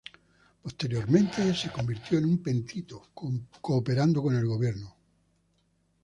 Posteriormente, se convirtió en un pentito, cooperando con el gobierno.